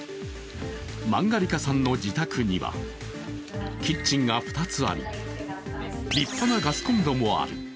マンガリカさんの自宅にはキッチンが２つあり、立派なガスコンロもある。